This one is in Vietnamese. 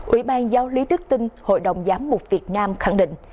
ủy ban giáo lý tức tinh hội đồng giám mục việt nam khẳng định